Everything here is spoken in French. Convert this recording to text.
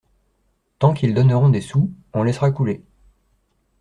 Tant qu’ils donneront des sous, on laissera couler.